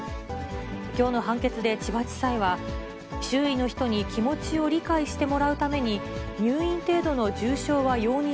きょうの判決で千葉地裁は、周囲の人に気持ちを理解してもらうために、入院程度の重傷は容認